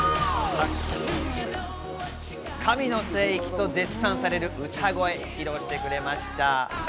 神の声域と絶賛される歌声、披露してくれました。